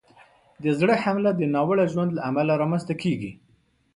د زړه حمله د ناوړه ژوند له امله رامنځته کېږي.